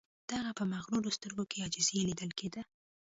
د هغه په مغرورو سترګو کې عاجزی لیدل کیده